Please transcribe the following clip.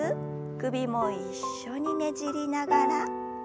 首も一緒にねじりながら。